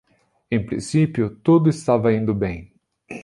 Em princípio, tudo estava indo bem.